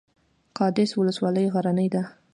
قادس ولسوالۍ غرنۍ ده؟